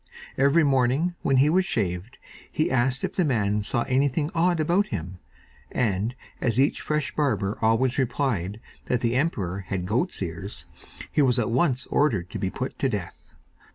Every morning, when he was shaved, he asked if the man saw anything odd about him, and as each fresh barber always replied that the emperor had goat's ears, he was at once ordered to be put to death.